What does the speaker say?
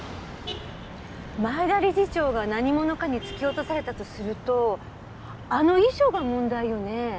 前田理事長が何者かに突き落とされたとするとあの遺書が問題よね。